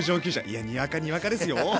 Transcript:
いやにわかにわかですよ。